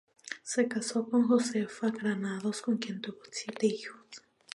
Se casó con Josefa Granados, con quien tuvo siete hijos.